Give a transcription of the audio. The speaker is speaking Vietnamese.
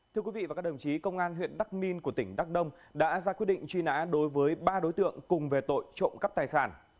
thưa quý vị và các đồng chí công an huyện đắc minh của tỉnh đắk đông đã ra quyết định truy nã đối với ba đối tượng cùng về tội trộm cắp tài sản